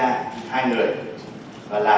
nhưng không được đặc xá